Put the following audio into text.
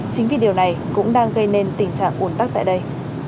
chính vì điều này cũng đang gây nên tình trạng ủn tắc tại đây